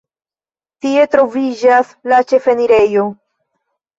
Tie troviĝas la ĉefenirejo.